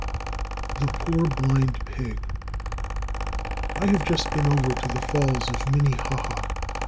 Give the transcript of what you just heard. The Poor Blind Pig. I have just been over to the Falls of Minnehaha.